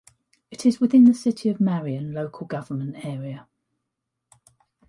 It is within the City of Marion local government area.